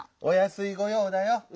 おやすいごようだよ。